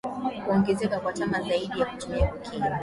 Kuongezeka kwa tama zaidi ya kutumia cocaine